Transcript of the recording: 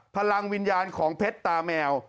พลังวิญญาณของเพชรตาแมว